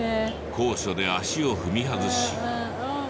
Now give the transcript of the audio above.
高所で足を踏み外し。